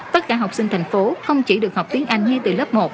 tất cả học sinh thành phố không chỉ được học tiếng anh ngay từ lớp một